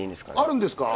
あるんですか？